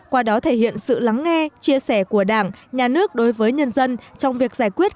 qua đó thể hiện sự lắng nghe chia sẻ của đảng nhà nước đối với nhân dân trong việc giải quyết